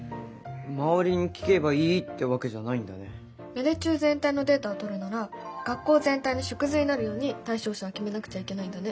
芽出中全体のデータをとるなら学校全体の縮図になるように対象者を決めなくちゃいけないんだね。